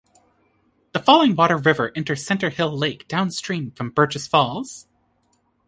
The Falling Water River enters Center Hill Lake downstream from Burgess Falls.